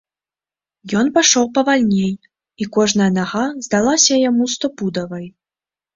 Ён пайшоў павальней, і кожная нага здалася яму стопудовай.